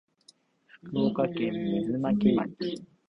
福岡県水巻町